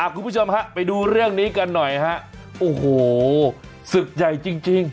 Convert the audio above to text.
คุณผู้ชมฮะไปดูเรื่องนี้กันหน่อยฮะโอ้โหศึกใหญ่จริง